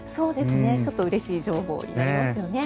ちょっとうれしい情報になりますよね。